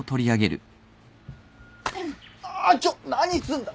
ちょっ何すんだ！